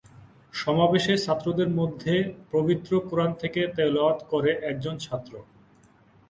সমাবেশে ছাত্রদের মধ্যে পবিত্র কুরআন থেকে তেলাওয়াত করে একজন ছাত্র।